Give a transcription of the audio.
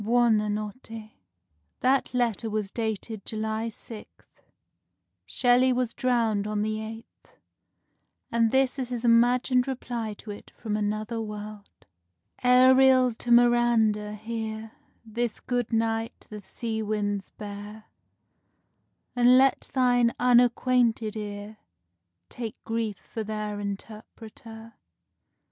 Buona Notte." That letter was dated July 6th; Shelley was drowned on the 8th; and this is his imagined reply to it from another world: Ariel to Miranda: hear This good night the sea winds bear; And let thine unacquainted ear Take grief for their interpreter.